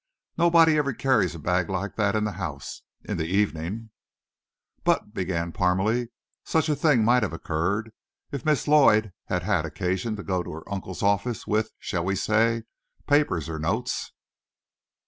"Nobody ever carries a bag like that in the house, in the evening." "But," began Parmalee, "such a thing might have occurred, if Miss Lloyd had had occasion to go to her uncle's office with, we will say, papers or notes."